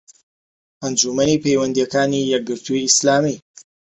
ئەنجومەنی پەیوەندییەکانی یەکگرتووی ئیسلامی